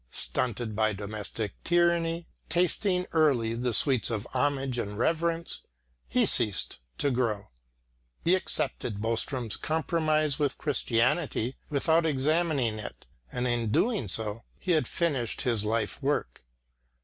Stunted by domestic tyranny, tasting early the sweets of homage and reverence, he ceased to grow. He accepted Boström's compromise with Christianity without examining it, and in doing so, he had finished his life work.